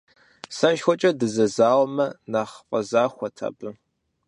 СэшхуэкӀэ дызэзауэмэ, нэхъ фӀэзахуэт абы.